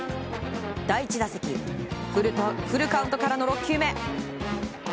第１打席フルカウントからの６球目。